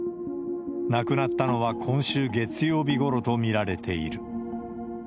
亡くなったのは今週月曜日ごろと見られている。